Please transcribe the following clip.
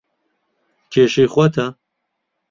کێشەی خۆتە.